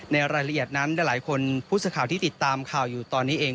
ในรายละเอียดนั้นหลายคนผู้สื่อข่าวที่ติดตามข่าวอยู่ตอนนี้เอง